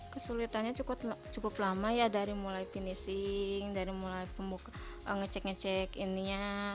kesulitannya cukup lama ya dari mulai finishing dari mulai ngecek ngecek ininya